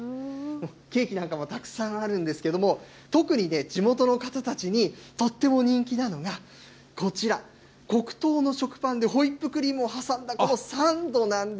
ケーキなんかもたくさんあるんですけども、特にね、地元の方たちにとっても人気なのが、こちら、黒糖の食パンでホイップクリームを挟んだこのサンドなんです。